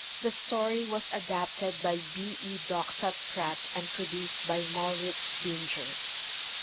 The story was adapted by B. E. Doxat-Pratt and produced by Maurits Binger.